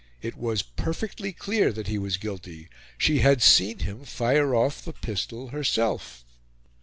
It was perfectly clear that he was guilty she had seen him fire off the pistol herself.